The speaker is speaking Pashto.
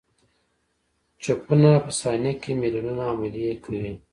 چپونه په ثانیه کې میلیونونه عملیې کوي.